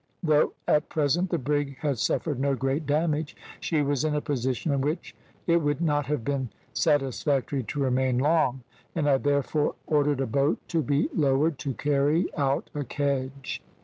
Though at present the brig had suffered no great damage, she was in a position in which it would not have been satisfactory to remain long, and I therefore ordered a boat to be lowered to carry out a kedge.